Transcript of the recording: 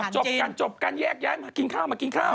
จบกันจบกันแยกใหญ่มากินข้าว